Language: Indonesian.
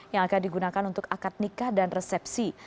yang akan digunakan untuk akad nikah dan resepsi